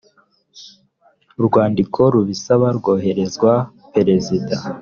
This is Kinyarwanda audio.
urwandiko rubisaba rwohererezwa perezida